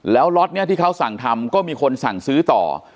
แล้วล็อตนี้ที่เขาสั่งทำก็มีคนสั่งซื้อต่อ